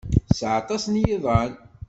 Tesɛa aṭas n yiḍan.